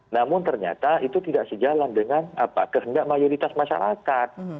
namun ternyata itu tidak sejalan dengan kehendak mayoritas masyarakat